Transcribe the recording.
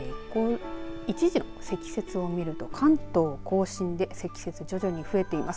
１時の積雪を見ると関東甲信で積雪、徐々に増えています。